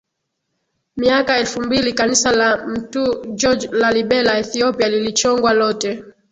miaka elfu mbili Kanisa la Mt George Lalibela Ethiopia lilichongwa lote